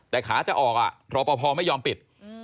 แต่ขาจะออกรอปภไม่ยอมปิด